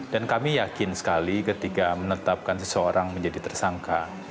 dan kami yakin sekali ketika menetapkan seseorang menjadi tersangka